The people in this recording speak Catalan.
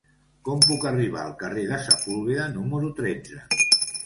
Com puc arribar al carrer de Sepúlveda número tretze?